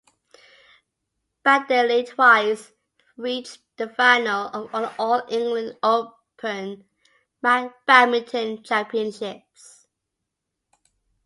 Baddeley twice reached the final of the All England Open Badminton Championships.